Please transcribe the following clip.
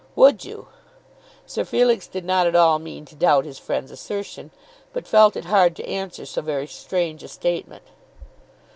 "Would you?" Sir Felix did not at all mean to doubt his friend's assertion, but felt it hard to answer so very strange a statement.